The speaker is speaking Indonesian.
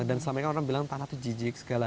dan selama ini orang bilang tanah itu jijik segala